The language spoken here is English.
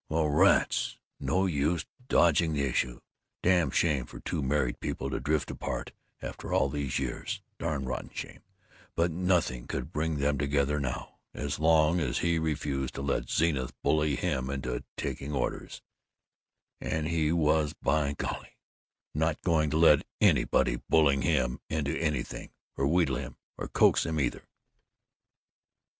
Well, rats, no use dodging the issue. Darn shame for two married people to drift apart after all these years; darn rotten shame; but nothing could bring them together now, as long as he refused to let Zenith bully him into taking orders and he was by golly not going to let anybody bully him into anything, or wheedle him or coax him either!"